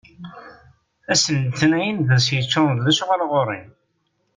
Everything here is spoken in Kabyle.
Ass n letnayen d ass yeččuṛen d lecɣal ɣur-i.